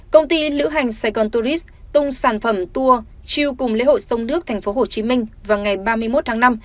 công ty lữ hành saigon tourist tung sản phẩm tour chiêu cùng lễ hội sông nước tp hcm vào ngày ba mươi một tháng năm